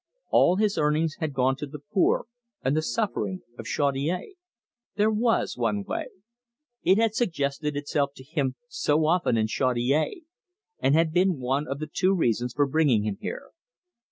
All his earnings had gone to the poor and the suffering of Chaudiere. There was one way. It had suggested itself to him so often in Chaudiere, and had been one of the two reasons for bringing him here.